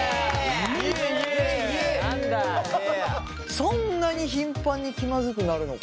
そんなに頻繁に気まずくなるのか？